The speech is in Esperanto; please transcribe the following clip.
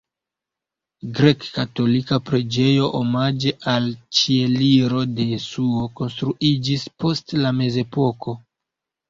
Grek-katolika preĝejo omaĝe al Ĉieliro de Jesuo konstruiĝis post la mezepoko.